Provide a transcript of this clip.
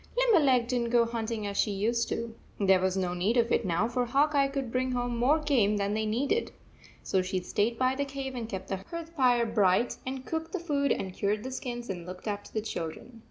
Limberleg did n t go hunting as she used to. There was no need of it now, for Hawk Eye could bring home more game than they needed. So she stayed by the cave and kept the hearth fire bright and cooked the food and cured the skins and looked after the children.